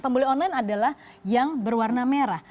pembeli online adalah yang berwarna merah